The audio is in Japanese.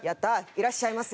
いらっしゃいませ。